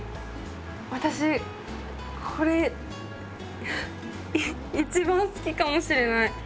私これ一番好きかもしれない。